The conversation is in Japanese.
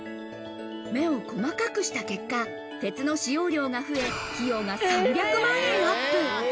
目を細かくした結果、鉄の使用量が増え、費用が３００万円アップ。